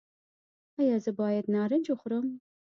ایا زه باید نارنج وخورم؟